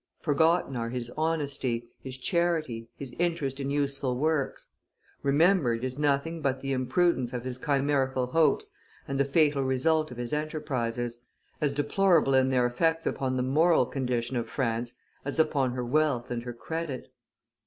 Forgotten are his honesty, his charity, his interest in useful works; remembered is nothing but the imprudence of his chimerical hopes and the fatal result of his enterprises, as deplorable in their effects upon the moral condition of France, as upon her wealth and her credit.